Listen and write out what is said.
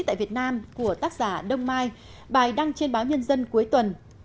tại việt nam của tác giả đông mai bài đăng trên báo nhân dân cuối tuần